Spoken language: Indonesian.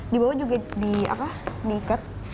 di bawah juga diikat